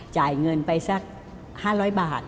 จ่ายเงินไปสัก๕๐๐บาท